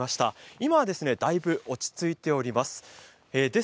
今はだいぶ落ち着いております。